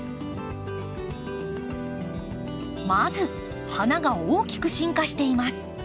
まず花が大きく進化しています。